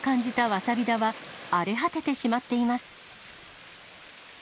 わさび田は、荒れ果ててしまっています。